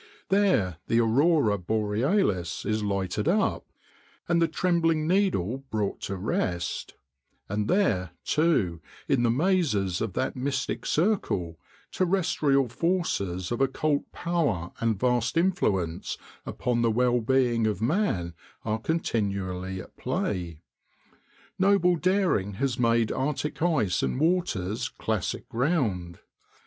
There the Aurora Borealis is lighted up, and the trembling needle brought to rest; and there, too, in the mazes of that mystic circle, terrestrial forces of occult power and vast influence upon the well being of man are continually at play.... Noble daring has made Arctic ice and waters classic ground.